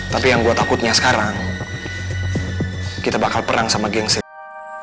tapi yang gue takutnya sekarang kita bakal perang sama gengsi